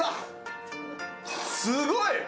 すごい！